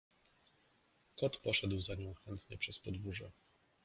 Kot poszedł za nią chętnie przez podwórze.